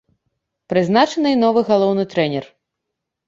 Прызначаны і новы галоўны трэнер.